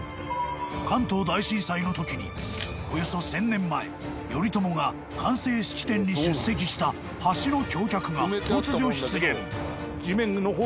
［関東大震災のときにおよそ１，０００年前頼朝が完成式典に出席した橋の橋脚が突如出現］